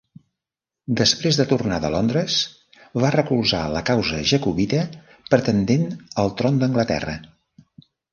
Després de tornar de Londres, va recolzar la causa jacobita pretendent al tron d'Anglaterra.